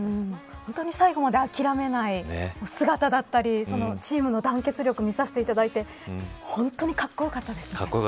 本当に最後まで諦めない姿だったりチームの団結力見させていただいて本当にかっこよかったですね。